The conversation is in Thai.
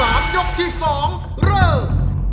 รอบที่๓ยกที่๒เริ่ม